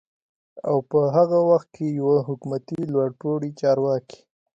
او په هغه وخت کې يوه حکومتي لوړپوړي چارواکي